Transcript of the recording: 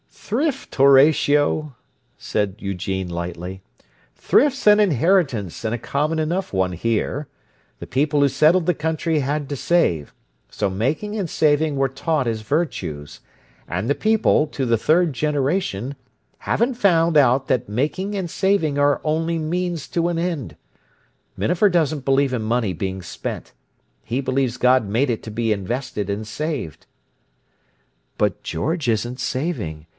"Thrift, Horatio!" said Eugene lightly. "Thrift's an inheritance, and a common enough one here. The people who settled the country had to save, so making and saving were taught as virtues, and the people, to the third generation, haven't found out that making and saving are only means to an end. Minafer doesn't believe in money being spent. He believes God made it to be invested and saved." "But George isn't saving.